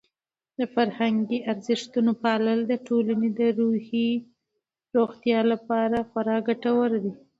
د فرهنګي ارزښتونو پالل د ټولنې د روحي روغتیا لپاره خورا ګټور دي.